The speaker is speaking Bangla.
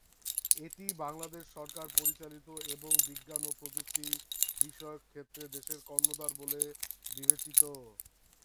এটি বাংলাদেশ সরকার পরিচালিত এবং বিজ্ঞান ও প্রযুক্তি বিষয়ক ক্ষেত্রে দেশের কর্ণধার বলে বিবেচিত।